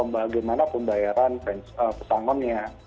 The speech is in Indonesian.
bagaimana pembayaran pesangonnya